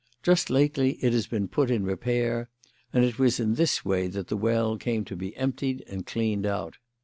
Just lately it has been put in repair, and it was in this way that the well came to be emptied and cleaned out.